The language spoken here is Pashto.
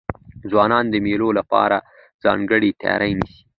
ځوانان د مېلو له پاره ځانګړې تیاری نیسي.